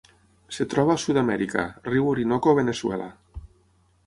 Es troba a Sud-amèrica: riu Orinoco a Veneçuela.